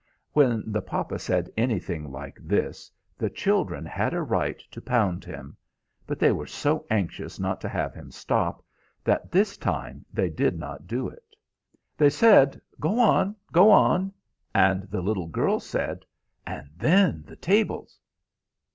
When the papa said anything like this the children had a right to pound him, but they were so anxious not to have him stop, that this time they did not do it. They said, "Go on, go on!" and the little girl said, "And then the tables!"